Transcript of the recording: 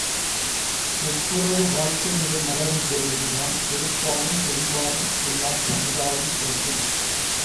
ஒப்புரவு வாழ்க்கை நிலை மலரும் பொழுதான் கொடுப்பாரும் கொள்வாரும் இல்லா ச்சமுதாயம் தோன்றும்.